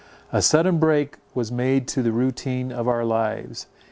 A sudden break was made in the routine of our lives.